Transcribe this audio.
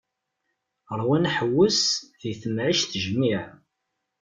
Rwan aḥewwes d temɛict jmiɛ.